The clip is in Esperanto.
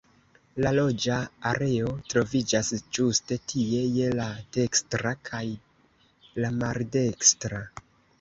La loĝa areoj troviĝas ĝuste tie je la dekstra kaj la maldekstra.